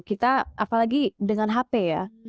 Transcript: kita apalagi dengan hp ya